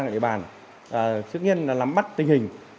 địa bàn tự nhiên là lắm bắt tình hình